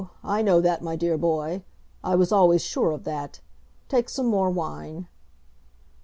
I know that, my dear boy. I was always sure of that. Take some more wine."